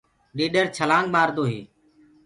ڏيڏر ڇلآنگ مآردو هي۔